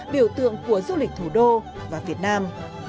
biểu tượng của du lịch thủ đô và việt nam